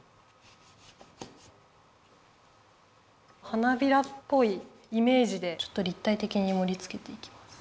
花びらっぽいイメージでちょっとりったいてきにもりつけていきます。